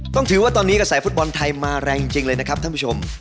ต้องถือว่าตอนนี้กระแสฟุตบอลไทยมาแรงจริงเลยนะครับท่านผู้ชม